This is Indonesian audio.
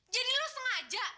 jadi lo sengaja